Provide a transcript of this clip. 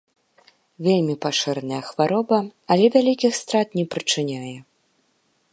Вельмі пашыраная хвароба, але вялікіх страт не прычыняе.